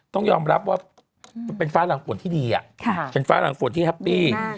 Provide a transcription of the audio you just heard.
ต้องยอมรับว่าเป็นฟ้าหลังฝนที่ดีเป็นฟ้าหลังฝนที่แฮปปี้